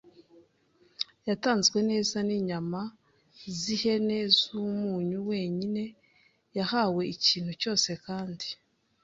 yatanzwe neza ninyama zihene zumunyu wenyine - yahawe ikintu cyose kandi